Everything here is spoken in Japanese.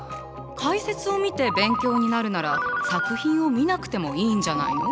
解説を見て勉強になるなら作品を見なくてもいいんじゃないの？